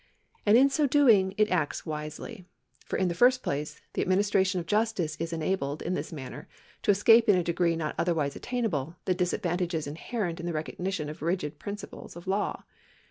And in so doing it acts wisely. For in the first place, the administration of justice is enabled in this manner to escape in a degree not otherwise attainable the disadvantages inherent in the recognition of rigid principles of law.